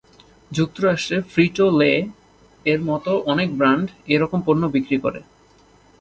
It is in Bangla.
যুক্তরাষ্ট্রে ফ্রিটো-লে এর মতো অনেক ব্রান্ড এ রকম পণ্য বিক্রি করে।